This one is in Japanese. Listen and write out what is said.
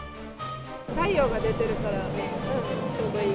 太陽が出てるからね、ちょうどいい。